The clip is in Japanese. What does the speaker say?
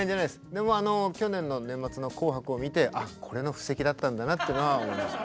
でもあの去年の年末の「紅白」を見てあっこれの布石だったんだなっていうのは思いました。